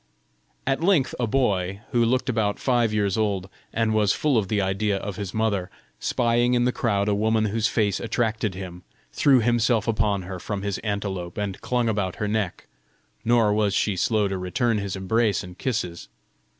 At length a boy, who looked about five years old, and was full of the idea of his mother, spying in the crowd a woman whose face attracted him, threw himself upon her from his antelope, and clung about her neck; nor was she slow to return his embrace and kisses.